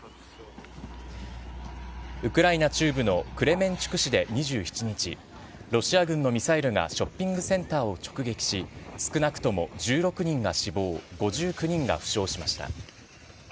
ウクライナ中部のクレメンチュク市で２７日、ロシア軍のミサイルがショッピングセンターを直撃し、少なくとも１６人が死亡、５９人が負傷しました。